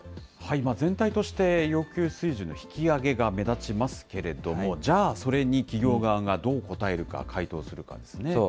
全体として要求水準の引き上げが目立ちますけれども、じゃあ、それに企業側がどう答えるか、回答するかですね。